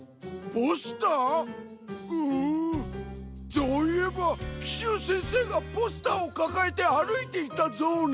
ぞういえばキシュウせんせいがポスターをかかえてあるいていたぞうな。